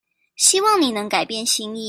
希望你能改變心意